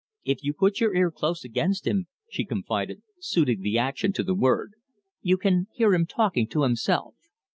If you put your ear close against him," she confided, suiting the action to the word, "you can hear him talking to himself.